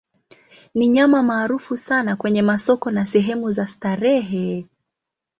Ni nyama maarufu sana kwenye masoko na sehemu za starehe.